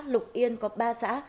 lục yên có ba xã